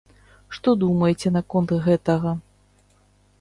Што думаеце наконт гэтага?